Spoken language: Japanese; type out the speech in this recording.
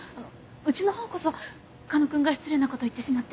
うちの方こそ狩野君が失礼なことを言ってしまって。